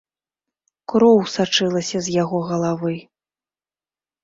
Кроў сачылася з яго галавы.